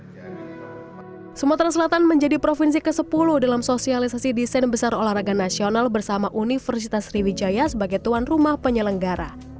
sumatera selatan menjadi provinsi ke sepuluh dalam sosialisasi desain besar olahraga nasional bersama universitas sriwijaya sebagai tuan rumah penyelenggara